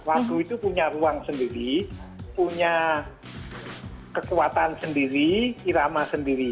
wagu itu punya ruang sendiri punya kekuatan sendiri irama sendiri